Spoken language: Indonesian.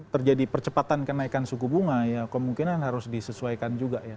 terjadi percepatan kenaikan suku bunga ya kemungkinan harus disesuaikan juga ya